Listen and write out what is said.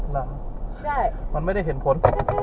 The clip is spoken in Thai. มันหลากมันไม่ได้เห็นผล